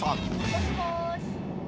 もしもし。